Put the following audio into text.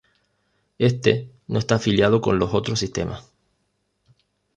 Éste no está afiliado con los otros sistemas.